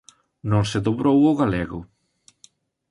Non se dobrou ao galego.